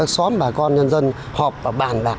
xóm bà con nhân dân họp và bàn bạc